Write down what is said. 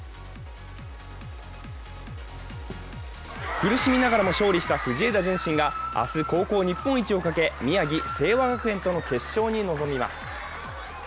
苦しみながらも勝利した藤枝順心が明日、高校日本一をかけ宮城・聖和学園との決勝に臨みます